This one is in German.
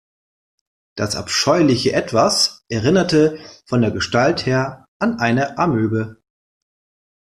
Das abscheuliche Etwas erinnerte von der Gestalt her an eine Amöbe.